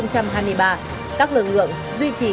các lực lượng duy trì